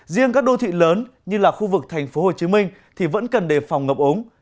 riêng các đô thị lớn như là khu vực thành phố hồ chí minh thì vẫn cần đề phòng ngập ống